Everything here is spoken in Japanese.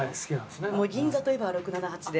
銀座といえば６７８で。